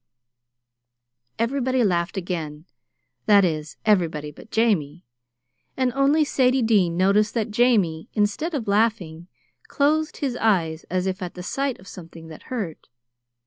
Everybody laughed again that is, everybody but Jamie; and only Sadie Dean noticed that Jamie, instead of laughing, closed his eyes as if at the sight of something that hurt.